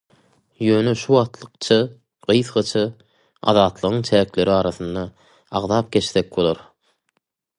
Ýöne şuwagtlykça gysgaça azatlygyň çäkleri arasynda agzap geçsek bolar.